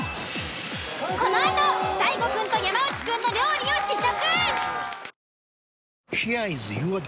このあと大悟くんと山内くんの料理を試食！